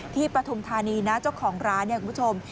ที่ปฐมธานีนะเจ้าของร้านคุณผู้ชม